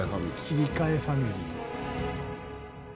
切替ファミリー。